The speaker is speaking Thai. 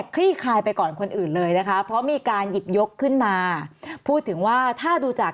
ลี่คลายไปก่อนคนอื่นเลยนะคะเพราะมีการหยิบยกขึ้นมาพูดถึงว่าถ้าดูจาก